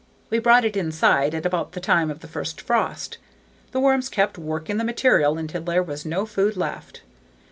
We brought it inside at about the time of the first frost. The worms kept working the material until there was no food left.